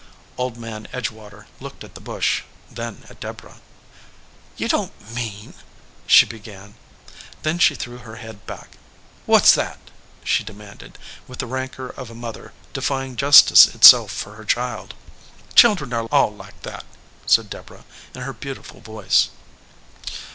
Old Man Edgewater looked at the bush, then at Deborah. "You don t mean " she began. Then she threw her head back. "What s that?" she de 125 EDGEWATER PEOPLE manded, with the rancor of a mother defying jus tice itself for her child. "Children are all like that," said Deborah, in her beautiful voice.